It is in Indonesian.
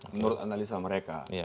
menurut analisa mereka